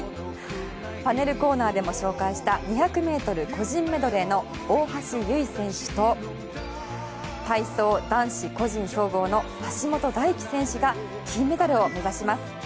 パネルコーナーでも紹介した２００ｍ個人メドレーの大橋悠依選手と体操男子個人総合の橋本大輝選手が金メダルを目指します。